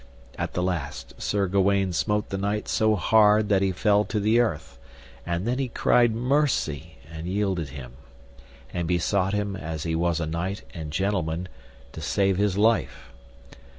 At the last Sir Gawaine smote the knight so hard that he fell to the earth, and then he cried mercy, and yielded him, and besought him as he was a knight and gentleman, to save his life.